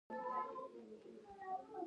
وسله د سبق الفاظ له ذهنه باسي